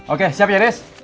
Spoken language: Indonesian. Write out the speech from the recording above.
oke siap ya chris